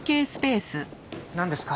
なんですか？